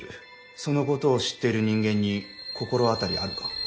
そのことを知っている人間に心当たりあるか？